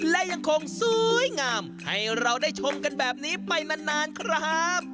และยังคงสวยงามให้เราได้ชมกันแบบนี้ไปนานครับ